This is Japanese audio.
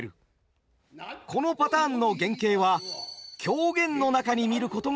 このパターンの原型は狂言の中に見ることができます。